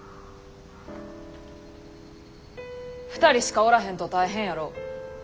２人しかおらへんと大変やろ。